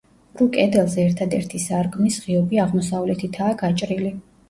ყრუ კედელზე ერთადერთი სარკმლის ღიობი აღმოსავლეთითაა გაჭრილი.